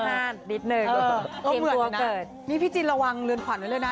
นิดนึงนี่พี่จินระวังเรือนขวัญไว้เลยนะ